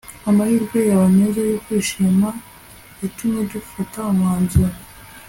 amahirwe yawe meza yo kwishima yatumye dufata umwanzuro